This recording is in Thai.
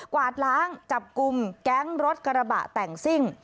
วาดล้างจับกลุ่มแก๊งรถกระบะแต่งซิ่ง